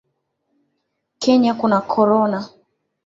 Kenya kuna korona